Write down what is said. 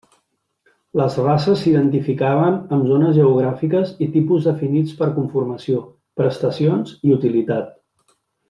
Les races s'identificaven amb zones geogràfiques i tipus definits per conformació, prestacions i utilitat.